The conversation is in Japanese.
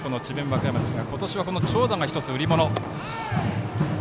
和歌山ですが今年はこの長打が１つ売り物。